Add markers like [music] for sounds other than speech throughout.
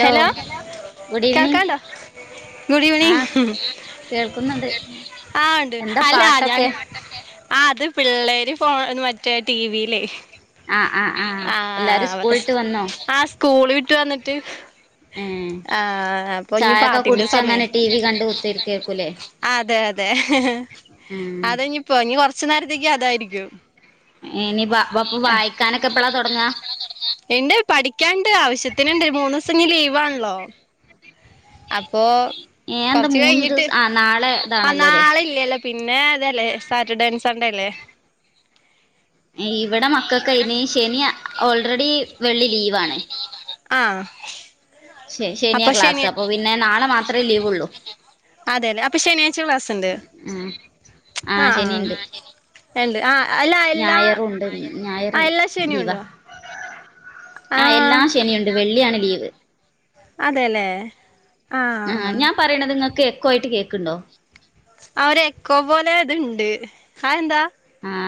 Hello good evening കേൾക്കാണ്ടോ good evening കേൾക്കുന്ന്ണ്ട് ആ ഉണ്ട് അല്ല ഞാൻ ആ അത് പിള്ളേര് ഫോ മറ്റേ ടി വി ലേ ആ ആ ആ എല്ലാരും സ്കൂള്ട്ട് സ- വന്നോ ആ സ്കൂള് വിട്ട് വന്നിട്ട് ഏഹ് ആ അപ്പൊഞ്ഞി ചായൊക്കെ പാട്ടിന്റെ കുടിച്ച് സമയാ അങ്ങനെ ടി വി കണ്ട് കുത്തിരിക്കേക്കൂലേ അതെ അതെ ആഹ് അതാഞ്ഞിപ്പൊ കൊർച്ച് നേരത്തേക്ക് അതായിരിക്കും ഇനിപ്പാ അപ്പൊ വായിക്കാനൊക്കെ എപ്പളാ തൊട്ങ്ങാ ഇണ്ട് പഠിക്യാണ്ട് ആവശ്യത്തിന്ണ്ട് മൂന്ന്സം ഇഞ്ഞി ലീവാണ്ലോ അപ്പൊ ഏഹ് എന്താ കൊർച്ച് മൂന്ന് കഴിഞ്ഞിട്ട് ദിവസം ആഹ് നാളെ ആ ഇതാണല്ലോല്ലേ നാളെ ഇല്ലലോ പിന്നെ പിന്നെ അതെല്ലേ സാറ്റർഡേ സൺഡേ ല്ലേ ഇവടെ മക്കകൈന് ശെനിഅ ഓൾറെഡി വെള്ളി ലീവാണ്. ആഹ് ശെ ശെനിയാ ക്ലാസ് അപ്പൊ പിന്നെ നാളെ മാത്രേ ലീവൊള്ളൂ അതെലേ അപ്പൊ ശനിയാഴ്ച ക്ലാസ്സ്ണ്ട് ആഹ് ആ ആഹ് ആ ശനിയുണ്ട് ഏ ഇണ്ട് ആ അല്ല എല്ലാ ഞായറുണ്ട് ഞായർ ആ എല്ലാ ലീവാ ശെനിണ്ടോ? ആ എല്ലാ ശെനി ഉണ്ട് വെള്ളിയാണ് ലീവ് അതെലേ ആ ഞാൻ പറിണത് ഇങ്ങക്ക് എക്കോ ആയിട്ട് കേക്ക്ണ്ടോ ആ ഒര് എക്കോ പോലെ ത്ണ്ട് ആ എന്താ ആ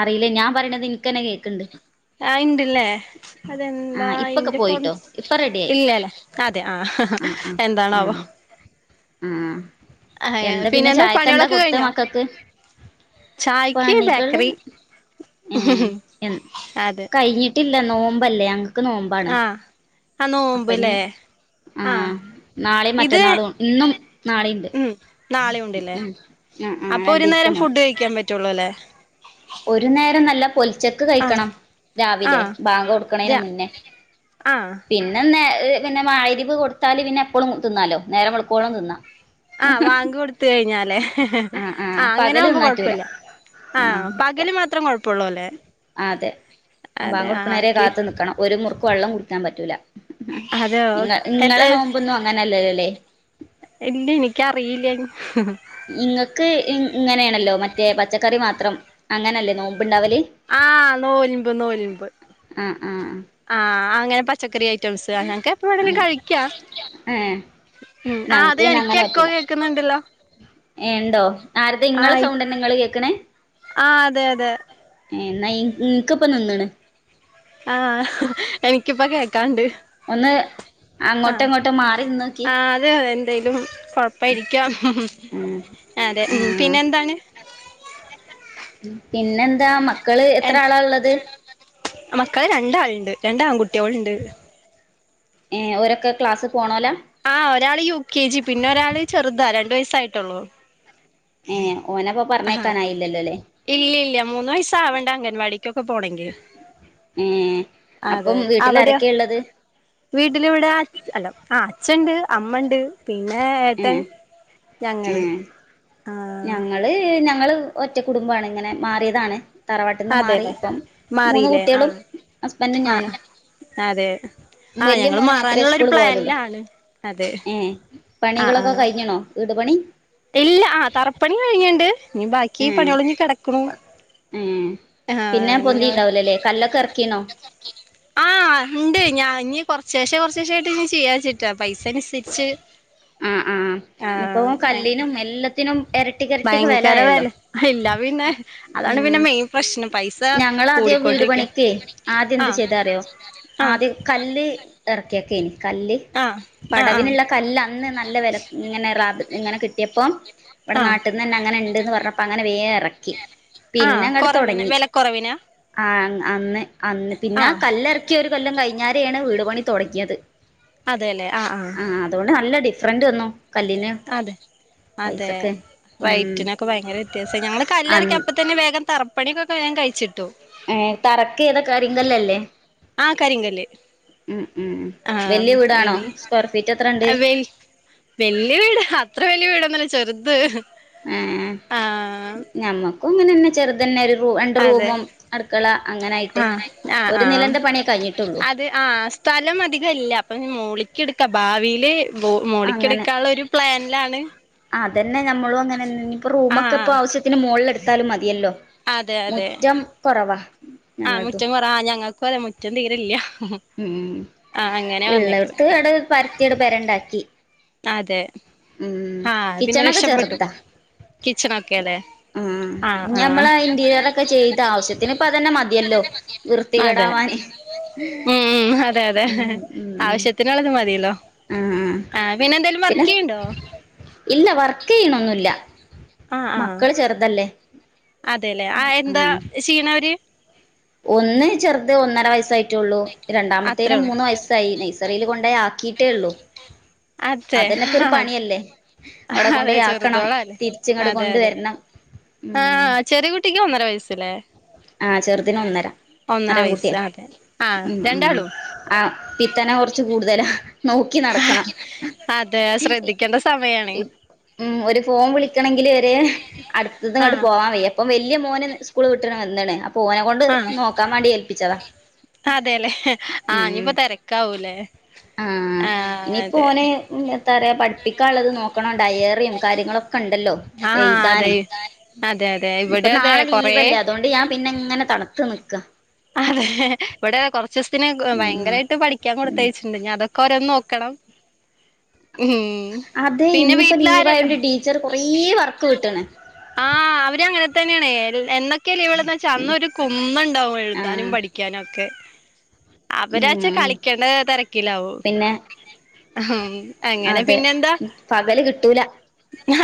അറീലേ ഞാൻ പറിണത് ഇൻക്കന്നെ കേക്ക്ണ്ട് ആ ഇണ്ട്ലേ അതെന്താ ആ ഇപ്പൊക്കെ ഇന്റെ ഫോൺ പോയിട്ടോ ഇപ്പൊ റെഡിയായി ഇല്ലലേ അതെ ആ ആ ആ ആ എന്താണാവോ ആ എന്താ പിന്നെ ചായക്കെന്താ കൊടുത്തെ മക്കക്ക് ചായക്ക് പണികള് ബേക്കറി ഏ എ അതെ കഴിഞ്ഞിട്ടില്ല നോമ്പല്ലേ ഞങ്ങക്ക് നോമ്പാണ് ആ നോമ്പ് അപ്പനി ലേ ആ നാളെയും ഇത് മറ്റന്നാളും ഇന്നും നാളെയുണ്ട് ഉം നാളെയുണ്ട്ലേ ഉം ആ ആ അപ്പൊ ഒരു രണ്ടീസത്തെ നേരം നോമ്പ് ഫുഡ് കഴിക്കാപറ്റൊള്ളുലേ ഒരു നേരം നല്ല പൊൽ ച്ചെക്ക് ആഹ് കഴിക്കണം രാവിലെ ആഹ് ര ബാങ്കൊട്ക്ക്ണേൻ്റെ മുന്നേ ആഹ് പിന്നെ ന്നേ ഏ പിന്നെ മാതിരിപ്പ് കൊടുത്താല് പിന്നെ എപ്പോഴും തിന്നാലോ നേരം കൊളക്കോള തിന്നാം ആ വാങ്ക് കൊടുത്ത കഴിഞ്ഞാലേ ആഹ് ആഹ് ആ പകല് അങ്ങനൊവവുമ്പോ തിന്നാറ്റൂല കൊഴപ്പില്ല ആ ആഹ് പകല് മാത്രം കുഴപ്പള്ളൂ അതെ പാ ആഹ് കൊടുക്കുന്നേരെ എനിക്ക് കാത്തു നിക്കണം ഒരു മുറുക്ക് വെള്ളം കുടിക്കാൻ പറ്റൂല അതെ നിങ്ങ എത് നിങ്ങളെ നോമ്പോന്നും അങ്ങനെല്ലല്ലോ അല്ലേ ഇല്ല എനിക്കറിയില്ല നിങ്ങൾക്ക് ഇങ്ങനെയാണല്ലോ മറ്റേ പച്ചക്കറി മാത്രം അങ്ങനെയല്ലേ നോ മ്പ് ണ്ടാവല് ആ നോൽമ്പ് നോൽമ്പ് ആ ആആ ആ അങ്ങനെ പച്ചക്കറി ഐറ്റംസ് അങ്ങൊക്കെ എപ്പ എന്തെലും ആഹ് കഴിക്കാ ഏഹ് ഉ ആ അത് എനിക്ക എക്കോ കേക്കുന്നുണ്ടല്ലോ ണ്ടോ ആരത്തെ ഇങ്ങളെ ആഹ് സൗണ്ട്ന്നെ നിങ്ങൾ കേക്കണേ ആഹ് അതെ അതെ എന്നാ ഇൻക്ക് ഇപ്പ നിന്നണ് ആ എനിക്കിപ്പ കേക്കാണ്ട് ഒന്ന് ആ അങ്ങോട്ടോ ഇങ്ങോട്ടോ മാറി നിന്നോക്കി ആ അതെതെ എന്തേലും കൊഴപ്പായിരിക്കാം ഉം [unintelligible] അതെ ഉ പിന്നെ എന്താണ് പിന്നെന്താ മക്കള് എ എത്ര ആളാ ഉള്ളത് മക്കള് രണ്ടാളുണ്ട് രണ്ട ആൺകുട്ടികളുണ്ട് ഏ ഓരൊക്കെ ക്ലാസ് പോണലോ ആഹഒരാള് യു കെ ജി പിന്നെ ഒരാള് ചെറുതാ രണ്ട വയസായിട്ടുള്ളു ഏ [unintelligible] ആ പറഞ്ഞേക്കാനായില്ലല്ലോ അല്ലേ ഇല്ല ഇല്ല മൂന്ന് വയസ ആവണ്ട അംഗൻവാടിക്കൊക്കെ പോണമെങ്കിൽ ഏ അതെ അപ്പം വീട്ടിൽ അവിടെയ ആരൊക്കെയ ഉള്ളത് വീട്ടില ഇവിടെ അല്ലോ ആ അച്ഛണ്ട് അമ്മ ഉണ്ട് പിന്നെ ഏ ഏട്ടൻ ഏ ഞങ്ങൾ ആ ഞങ്ങള് ഞങ്ങള് ഒറ്റ കുടുംബമാണ് ഇങ്ങനെ മാറിയതാണ് തറവാട്ടിൽന്ന് മാറി അതെല്ലേ ഇപ്പം മൂന്ന് മാറില്ലേ കുട്ടികളും ആഹ് ഹസ്ബൻറും ആഹ് ഞാനും അതെ ആഹ് വലിയ ഞങ്ങള് മോന് മാത്രമേ മാറാനുള്ളൊരു സ്കൂള് പോവാലുള്ളൂ പ്ലാനിലാണ് അതെ ഏ ആഹ് പണികളൊക്കെ ആഹ് കഴിഞ്ഞണോ വീട് പണി നീ ബാക്കി പണികള കിടക്കണു ഉ ആഹ് പിന്നെ പൊന്തിണ്ടാവലല്ലേ കല്ലൊക്കെ ഇറക്കീണോ ആ ഉണ്ട് ഞാ കൊറച്ചേശെ കൊറച്ചേശെ ആയിട്ട് ഇനി ചെയ്യാരിചിട്ടാ പൈസനുസരിച്ച് ആ ആഹ് ഇനിപ്പോ അങ്ങനെ കല്ലിനും എല്ലത്തിനും ഭയങ്കര വെല ഇല്ല പിന്നെ അതാണ് പിന്നെ മെയിൻ പ്രശ്നം പൈസ കൂ ന്റെ വീട് പണിക്കെയ് ആദ്യം എന്ത് ചെയ്തറിയോ ആഹ് ആദ്യം കല്ല് എറക്കിയേക്കയ്നിം കല്ല് ആഹ് ആഹ് ആഹ് പടവിനുള്ള കല്ല നല്ല വെല ഇങ്ങനെ റാത് ഇങ്ങനെ കിട്ടിയപ്പം ഇവിടെ ആഹ് നാട്ട്ന്നെന്നെ അങ്ങനെണ്ട്ന്ന് പറഞ്ഞപ്പം അങ്ങനെ വേം ഏറക്കി ആഹ് പിന്നങ്ങട് കൊറവിന് തൊടങ്ങി വെലക്കൊറവിനാ അന്ന് അന്ന് പിന്നെ ആ ആഹ് കല്ലറക്കി ഒരു കൊല്ലം കഴിഞ്ഞാരെയാണ് വീട് പണി തൊടങ്ങിയത് അതെല്ലെ ആഹ് ആഹ് ആ അതുകൊണ്ട് നല്ല ഡിഫറന്റ് വന്നു കല്ലിന് അതെ അതെ പൈസക്ക് ഉം വൈറ്റിനൊക്കെ ഭയങ്കര വ്യത്യാസം ഞങ്ങള് അ കല്ലറക്കി അപ്പ തന്നെ വേഗം തറ പണിയൊക്കൊക്കെഞാൻ കഴിച്ചിട്ടു. ഏഹ് തറക്ക് ഏതാ കരിങ്കല്ലല്ലേ? ആഹ് കരിങ്കല്ല്. ഉം ഉം വല്യ വീടാണോ സ്ക്വയർ ഫീറ്റ് എത്രണ്ട് വെൽ വല്യ വീട് അത്ര വല്യ വീടൊന്നല്ല ചെറ ഏഹ് ഞമ്മക്കും ഇങ്ങനെന്നെ ചെറുതന്നെ റൂ രണ്ട് അതെ റൂമും അടുക്കള അങ്ങനെ ആയിട്ട് ആ ആ ഒരു ആ നിലന്റെ പണിയേ കഴിഞ്ഞിട്ടുള്ളൂ. അത് ആ സ്ഥലം അധികം ഇല്ല അപ്പൊ മോളി ക്കെടുക്ക ഭാവിയിൽ മോളിക്ക് എടുക്കാനുള്ള ഒരു പ്ലാനിലാണ് ആഹ് അതന്നെ നമ്മളും അങ്ങനെന്നെ ഇനിയിപ്പോ ആ റൂമൊക്കെ ഇപ്പോ ആവശ്യത്തിന് മോളിൽ എടുത്താലും മതിയല്ലോ. മുറ്റം കുറവാ. ആഹ് മുറ്റം കുറ ആ ഞങ്ങൾക്കും അതെ മുറ്റം തീരെ ഇല്ല. ഉം ഉള്ളിടത്ത് ഇവ്ടെ ഒരു പരത്തി ഒരു പെര ഇണ്ടാക്കി. അതെ ആഹ് പിന്നെ കിച്ചണൊക്കെ രക്ഷപ്പെട്ടു ചെറുതാ കിച്ചൺ ഒക്കെ അല്ലെ? ഉം ഞമ്മള ഇന്റീരിയർ ഒക്കെ ചെയ്ത ആവശ്യത്തിന് ഇപ്പ അതന്നെ മതിയല്ലോ അതെ വൃത്തികേടാവാൻ ഉം ഉം അതെ അതെ ഉം ഉം ആവശ്യത്തിനുള്ളത് മതിയല്ലോ. ആഹ് പിന്നെ എന്തേലും വർക്ക് ചെയ്യണ്ടോ? ഇല്ല വർക്ക് ചെയ്യണൊന്നുല്ല മക്കള് ചെറുതല്ലേ? അതെല്ലെ ആ എന്താ ആഹ് ചെയ്യണവര്? ഒന്ന് ചെറുത് ഒന്നര വയസായി ട്ടുള്ളു, രണ്ടാമത്തേന് അത്രേള്ളൂ മൂന്ന് വയസ്സായി നേഴ്സറിൽ കൊണ്ടെ ആക്കിയിട്ടേ ഉള്ളു. അതെ അതന്നെപ്പൊ ഒരു പണിയല്ലേ അവിടെ അതെ കൊണ്ടോയി ആക്കണം ചെറുതോളല്ലേ തിരിച്ച് ഇങ്ങട്‌ അതെ അതെ കൊണ്ടുവരണം. ഉം ആഹ് ചെറിയ കുട്ടിക്ക് ഒന്നര വയസല്ലേ? അതിനൊന്നര ആൺകുട്ടിയാ. ആഹ് ഉം ഉം രണ്ടാളും ആ പിത്തനെ കുറച്ച് കൂടുതലാ നോക്കി നടക്കണം. അതെ ശ്രദ്ധിക്കേണ്ട സമ ഇപ്പ ഉം ഒരു ഫോൺ വിളിക്കണങ്കില് വരെ അടുത്തതും ഇങ്ങോട്ട് ആഹ് പോവാൻ വയ്യ ഇപ്പം വ വല്യ മോന് സ്കൂള് വിട്ടണ വന്നണ് അപ്പോ ഓനെ കൊണ്ട് നോക്കാൻ വേണ്ടി ഏൽപ്പിച്ചതാ. അതെയല്ലെ ആ ഉം ഇഞ്ഞിയിപ്പോ തിരക്കാവൂല്ലേ? ആ ഇനിയിപ്പോ ഓനെ എത്താ പറയാ പഠിപ്പിക്കാൻ ഉള്ളത് നോക്കണം ഡയറിയും കാര്യങ്ങളൊക്കെ ഉണ്ടല്ലോ ആഹ് അതെ അതെ അതെ ഇഞ്ഞ് ഇപ്പൊ ഇവിടെ അതെ നാളെ കൊറേ ലീവല്ലേ അതുകൊണ്ട് ഞാൻ പിന്നെ ഇങ്ങനെ തണുത്ത നിക്ക. അതെ ഇവിടെ കുറച്ച് ദിവസത്തിന് ഉം ഭയങ്കരമായിട്ട് പഠിക്കാൻ ഉം കൊടുത്തയച്ചിട്ടുണ്ട് ഞാൻ അതൊക്കെ ഓരോന്ന് നോക്ക ക്കണം. അതെ ഇന്നിപ്പോ ലീവായോണ്ട് ടീച്ചർ കൊറെ വർക്ക് വിട്ട്ണ്. ആ അവര് അങ്ങനെ തന്നെയാണ് എന്നൊക്കെ ലീവ് ഉള്ളെന്ന് വച്ചാ ഉം അന്ന് ഒരു കുന്നുണ്ടാവും എഴുതാനും ആഹ് പഠിക്കാനും ഒക്കെ. അവരാച്ചാ ഉം കളിക്കേണ്ട തിരക്കിലാവു പിന്നെ ഉം. അതെ പകല് കിട്ടൂല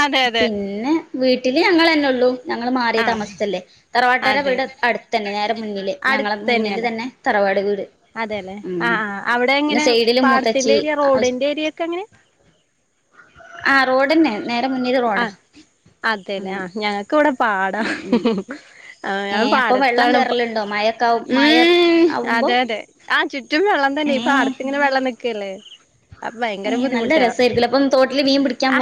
അതെ അതെ പിന്നെ വീട്ട വീട്ടില് ഞങ്ങൾ തന്നെ ഒള്ളൂ ഞങ്ങൾ മാറി ആഹ് താമസിച്ചല്ലേ. തറവാട്ട് പെര അതെ ഇവിടെ അടുത്ത തന്നെ നേരെ മുന്നിൽ ഞങ്ങളുടെ മുന്നിൽ തന്നെ തറവാട് വീട്. അതെ അല്ലെ ആ ഉം ആ അവിടെ പിന്നെ എങ്ങനെ സൈഡില് പാടത്തിന്റെ മൂത്തച്ചി ഏരിയ റോഡിന്റെ ഏരിയ ഒക്കെ അങ്ങനെ? ആഹ് റോഡന്നെ നേരെ മുന്നില് ആ റോഡാ അതല്ലേ ആ അങ്ങനെ ഞങ്ങക്ക് ഇവിടെ പാടാ. ഉം ഉം ആ ഏ ങ്ങങ്ങൾ അപ്പൊ വെള്ളം പാടത്താണ് ഇപ്പ കേറലുണ്ടോ മഴൊക്കെ മഴ ഉം ആവുമ്പോ അതെ അതെ. ആഹ് ചുറ്റും വെള്ളം തന്നെ ഏ ഈ പാടത്തിങ്ങനെ വെള്ളം നിക്കല്ലേ. അപ്പൊ ഏഹ് നല്ല രസമായിരിക്കൂല്ലേ അപ്പം തോട്ടില് മീൻ പിടി ആ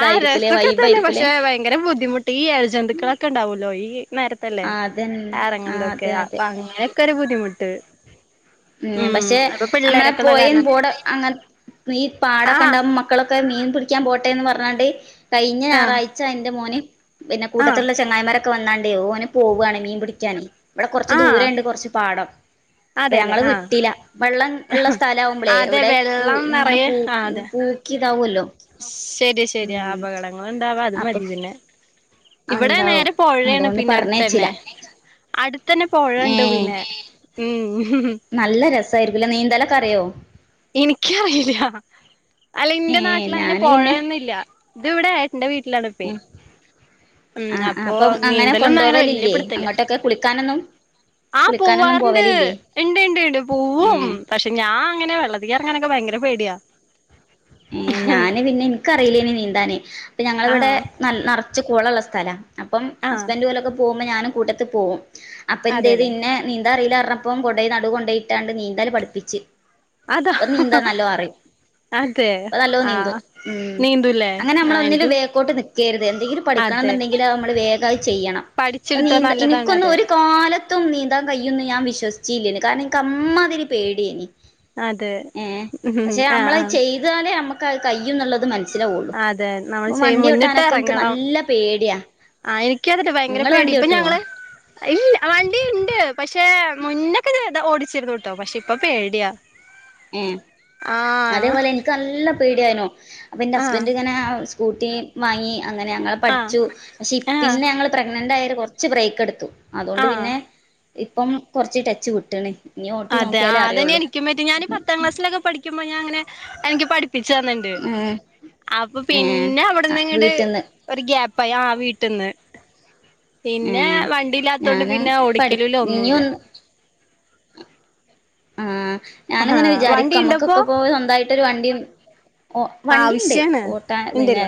ആഹ് രസൊക്കെ തന്നെ വൈബായിരിക്കുംല്ലേ പക്ഷെ ഭയങ്കര ബുദ്ധിമുട്ട് ഈ ഇഴജന്തുക്കളൊക്കെ ഉണ്ടാവല്ലോ ഈ നേരത്തല്ലേ ആ അതന്നെ ആ ഇറങ്ങണതൊക്കെ അതെ അതെ അപ്പൊ അങ്ങനെയൊക്കെ ഒരു ബുദ്ധിമുട്ട്. ഉം പക്ഷെ അപ്പൊ നമ്മളെ പിള്ളേരൊക്കെ ഉള്ള പുഴയും കാരണം പോടെ അങ്ങ ഈ ആഹ് പാടൊക്കെണ്ടാവും മക്കളൊക്കെ മീൻ പിടി ക്കാം പോട്ടെന്ന് പർഞ്ഞാ ണ്ട് കഴിഞ്ഞ ആഹ് ഞായറാഴ്ച ഇന്റെ മോന് പിന്നെ കൂട്ടത്ത് ആഹ് ള്ളെ ചങ്ങായിമാരൊക്കെ വന്നാ ണ്ട് ഓന് പോവാണ് മീൻ പിടിക്കാന് ഇവടെ കൊർച്ച് ആഹ് ദൂരണ്ട് കൊർച്ച് പാടം അപ്പൊ അതെല്ലേ ഞങ്ങള് വിട്ടില വള്ളം ഉള്ള ആഹ് സ്ഥലാവുമ്പളേ അതെ ഇവടെ പൂ വെള്ളം ഇങ്ങനെ നിറയെ പൂ പൂക്കി [unintelligible] വൊല്ലോ ശെര്യ ശെര്യ അപകടങ്ങള്ണ്ടാവാ അത് അപ്പൊ മതി പിന്നെ ഇവടെ ഉണ്ടാവും നേരെ പൊഴേണ് അതുകൊണ്ട് പിന്നെ പറഞ്ഞയച്ചില്ല അട്ത്തെന്നെ അട് ത്തന്നെ പൊഴണ്ട് പിന്നേ ഏഹ് ഉം നല്ലെ രസായിരിക്കൂലെ നീന്തലൊക്കറിയോ? ഇൻക്കറീല്ല അല്ല ഏ ഇന്റെ നാട്ടിലങ്ങനെ ഞാന് പിന്നെ പൊഴന്നില്ല ത് വടെ ഇന്റെ വീട്ടിലാണ്പ്പെ. ഉം ആ ആ അപ്പൊ അപ്പം അങ്ങനെ നീന്തലൊന്ന്വങ്ങനെ വെല്യ കൊണ്ടുപോവലില്ലേ പിട് ത്തല്ല. അങ്ങോട്ടൊക്കെ കുളിക്കാനൊന്നും ആഹ് കുളിക്കാനൊന്നും പോവാറ്ണ്ട് പോവലില്ലേ ഇണ്ട് ണ്ട് ണ്ട് പോവും ഏ പക്ഷെ ഞാ അങ്ങനെ വെള്ള ത്തി എർങ്ങാനൊക്കെ ഭയങ്കര പേട്യാ ഏഹ് ഞാന് പിന്നെ ഇൻക്കറീലേനി നീന്താന് പ്പൊ ഞങ്ങളിവടെ നൽ നർ ച്ച് കുളള്ളെ സ്ഥലാ അപ്പം ആഹ് ഹസ്ബൻഡ് ഓലൊക്കെ പോവുമ്പോ ഞാനും കൂട്ടത്ത് പോവും. അപ്പൊ എന്തേയ്ത് അതെല്ലേ ഇന്നെ നീന്താ അറീലാർഞ്ഞപ്പോ കൊണ്ടോയി നടുകൊണ്ടോയിട്ടാണ്ട് നീന്തല് പഠിപ്പിച്. അതാ ഇപ്പം നീന്താ നല്ലോ അറിം അതെ പ്പ നല്ലോ നീന്തും ആഹ് ഉം നീന്തൂല്ലേ അങ്ങനെ ആ അമ്മള് ഒന്നിലും എനിക്കും വേക്കോട്ട് നിക്കേര്ത് എന്തെങ്കിലും അതെ പഠിക്കണന്ന്ണ്ടെങ്കി ല അമ്മള് വേഗത്‌ ചെയ്യണം. ഇപ്പൊ പഠിച്ചെടുത്താ നീന്ത നല്ലതാണ് ഇനിക്കൊന്ന് അതെ ഒരു കാലത്തും നീന്താൻ കയുന്ന് ഞാൻ വിശ്വസിച്ചി ല്ലേനി കാരണം ൻക്ക് അമ്മാതിരി പേട്യേനി അതെ ഉം ആഹ് ആഹ് ന്നാലെ അമ്മക്കത് കയ്യുന്നുള്ളത് മൻ സ്സിലാവൊള്ളു അതെ നമ്മൾ പ്പൊ ചെയ്യും വണ്ട്യോട്ടാനൊക്കെ ഇൻക്ക് നല്ലെ പേട്യാ ആഹ് എനിക്കും അതെട്ട ഭയങ്കര പേടി ഇപ്പൊ ഞങ്ങള് ഇല് വണ്ടിണ്ട് പക്ഷ ക്ഷേ മുന്നൊക്കെ ചെറ്ത ഓടിച്ചിരുന്നു ട്ടോ. പക്ഷെ ഇപ്പൊ പേടിയാ ഉം ആഹ് അതേപോലെ എൻക്ക് നല്ല പേടിയേനു അപ്പൊ ന്റെ ആഹ് ഹസ്ബൻഡ് ഇങ്ങനെ ഔസ് കൂട്ടി വാങ്ങി അങ്ങനെ ഞങ്ങള ആഹ് പഠ്ച്ചു പക്ഷെ ഇ ആഹ് പിന്നെ ഞങ്ങള് പ്രഗ്നന്റ് ആയ ട്ട് കുറച്ച് ബ്രേക്ക് എടുത്തു അതുകൊണ്ട് ആഹ് പിന്നെ ഇപ്പം കൊർച്ച് ടച്ച് വിട്ട്ണ്. അതെ അതന്നെ എനിക്കും പറ്റ്യേ ഞാന് പത്താം ക്ലാസ്സിലെക്കെ പഠിക്കുമ്പോ ഞാൻ ഇങ്ങനെ എനിക്ക് പഠിപ്പിച്ചു തന്ന്ണ്ട്. ഉം അപ്പൊ ഏ പിന്നെ ആ അവിട്ന്ന് ഇങ്ങട് വീട്ടിന്ന് ഒരു ഗ്യാപ്പായി ആഹ് വീട്ട്ന്ന് പിന്നെ ഉം വണ്ടില്ലാത്തൊണ്ട് ഞാന് പിന്നെ പഠി ഓടിക്കലുല്ല ഇനി ഒന്നൂല്ല. ഒന്ന് ആഹ് ആഹാ ഞാനുങ്ങനെ വണ്ടി വിചാരിക്കും ഇണ്ടപ്പോ നമ്മക്കൊക്കെപ്പോ സ്വന്തായിട്ടൊരു വണ്ടിം ഓ വണ്ടിണ്ട് ആവശ്യാണ് ഓട്ടാന് പിന്നെ ഇണ്ട്ല്ലേ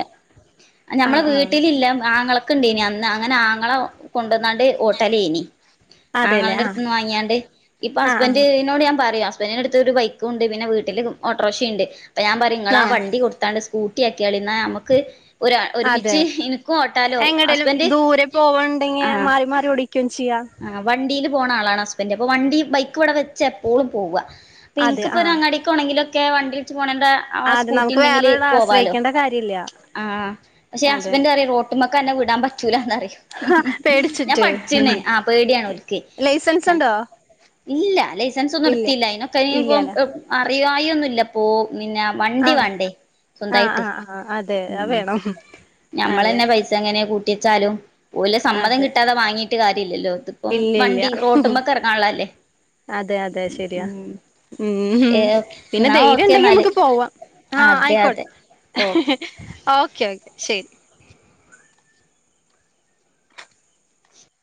ഞമ്മളെ ആഹ് ആഹ് വീട്ടിലില്ല ആങ്ങള ക്ക്ണ്ടേനി അന്ന് അങ്ങനെ ആങ്ങളെ കൊണ്ടന്നാണ്ട് ഓട്ടലേനി. അതെല്ലേ ആഹ് ആങ്ങളന്റട്ത്ത്ന്ന് വാങ്ങിയാണ്ട് ഇപ്പൊ ആഹ് ഹസ്ബൻഡ് ആഹ് അതെ ഹസ്ബന്റിടുത്ത് ഒരു ബൈക്ക ഉണ്ട് പിന്നെ വീട്ടില് ഓട്ടോറക്ഷ ഉണ്ട്പ്പ ഞാൻ പറയും നിങ്ങള ആ ആഹ് വണ്ടി കൊടുത്താണ്ട് സ്കൂട്ടി ക്കിയാക്കിയാളി ന്നാ ഞമ്മക്ക് ഒര് അതെ ഒരുമിച്ച് ൻക്കും ഓട്ടാലോ എങ്ങടേലും ഹസ്ബന്റ് ദൂരെ പോവണ്ടെങ്കി ആ മാറി മാറി ഓടിക്കും ചെയ്യാ ആ വണ്ടീല് പോണ ആളാണ് ഹസ്ബന്റ് അപ്പൊ വണ്ടി ബൈക്ക് ഇവിടെ വെച്ച എപ്പോളും പോവ പ്പ അതെ ആഹ് ഇൻക്ക്പ്പോരങ്ങാടികോണെങ്കിലൊക്കെ വണ്ടിൾച് പോണന്റെ ആ അതെ നമുക്ക് സ്കൂട്ടിണ്ടെങ്കില് വേറൊരാളെ പോവാലോ ആശ്രയിക്കേണ്ട കാര്യല്ല ആ പക്ഷെ അതെ ഹസ്ബന്ററിം റോട്ട്മ്മക്കന്നെ വിടാൻ പറ്റു റ്റൂലാന്ന് പറിം ഹ ഞാൻ പേടിച്ചിട്ട് പഠിച്ചിന് ആ പേടിയാണ് ഓൽക്ക് ലൈസൻസ് ഉണ്ടോ ഇല്ല ലൈസൻസ് ഇല്ല ഒന്നുംട്ത്തില്ല അയ്നൊക്കെ ഇനിയിപ്പം ഇല്ലാലേ അറിയായാെന്നുല്ലപ്പോ പിന്നെ വണ്ടി ആഹ് വാണ്ടേ ആഹ് സ്വന്തായിട്ട് ആഹ് ആഹ് അതെ അത് ഉം വേണം അതെ ഞമ്മളന്നെ പൈസ എങ്ങനെ കൂട്ട്യച്ചാലും ഓലെ സമ്മതം അതെ കിട്ടാതെ വാങ്ങി ല്ലല്ലോ ഇതിപ്പം ഇല്ല ഇല്ല വണ്ടി റോട്ട്മ്മക്ക് എർങ്ങാള്ളല്ലേ അതെ അതെ ശെരിയാ ഉം ഏഹ് പിന്നെ എന്നാ ഓക്കെ ധൈര്യംണ്ടെങ്കി എന്നാല് ഞമക്ക് പോവാ ആ അതെ ആയ്ക്കോ അതെ ഓക്കെ ഓക്കെ ഓക്കെ ശെരി